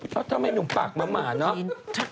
ทำไมหนุ่มปากมาหม่านเนอะ